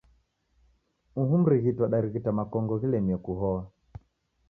Uhu mrighiti wadarighita makongo ghilemie kuhoa.